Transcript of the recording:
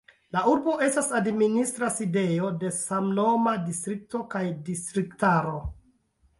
La urbo estas administra sidejo de samnoma distrikto kaj distriktaro.